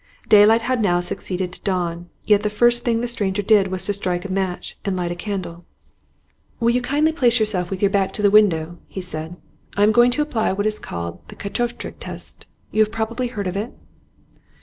Daylight had now succeeded to dawn, yet the first thing the stranger did was to strike a match and light a candle. 'Will you kindly place yourself with your back to the window?' he said. 'I am going to apply what is called the catoptric test. You have probably heard of it?